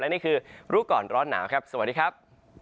นี่คือรู้ก่อนร้อนหนาวครับสวัสดีครับ